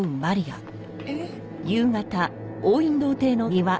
えっ？